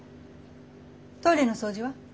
トイレの掃除は？